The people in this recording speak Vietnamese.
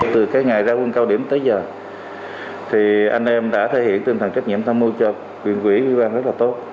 từ cái ngày ra quân cao điểm tới giờ thì anh em đã thể hiện tinh thần trách nhiệm tham mưu cho quyền quỹ quy bang rất là tốt